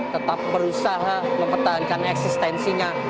tetap berusaha mempertahankan eksistensinya